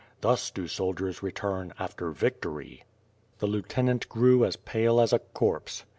Thus do soldiers return after victory. The lieutenant grew as pale as a corpse.